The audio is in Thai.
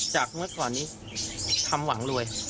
เมื่อก่อนนี้ทำหวังรวย